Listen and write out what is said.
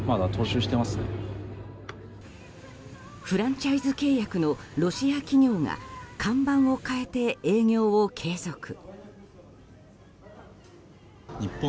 フランチャイズ契約のロシア企業が管板を替えて営業を継続。